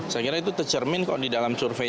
saya kira itu tercermin kok di dalam survei